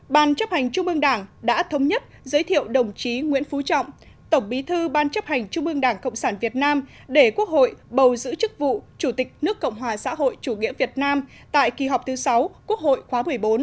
ban chấp hành trung ương đảng đã thống nhất giới thiệu đồng chí nguyễn phú trọng tổng bí thư ban chấp hành trung ương đảng cộng sản việt nam để quốc hội bầu giữ chức vụ chủ tịch nước cộng hòa xã hội chủ nghĩa việt nam tại kỳ họp thứ sáu quốc hội khóa một mươi bốn